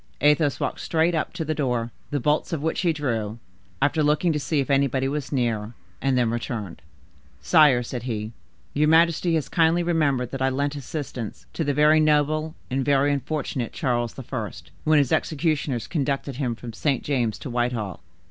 Athos walked straight up to the door, the bolts of which he drew, after looking to see if anybody was near, and then returned. "Sire," said he, "your majesty has kindly remembered that I lent assistance to the very noble and very unfortunate Charles I., when his executioners conducted him from St. James's to Whitehall."